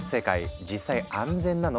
実際安全なの？